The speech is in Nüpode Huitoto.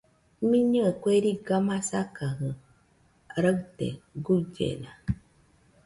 Mɨnɨe kue riga masakajɨ raɨte, guillena